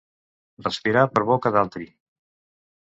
Respirar per boca d'altri.